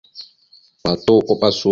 Patu aɓas uvah ara sla.